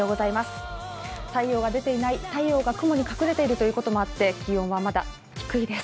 太陽が出ていない、太陽が雲に隠れていることもあって気温はまだ低いです。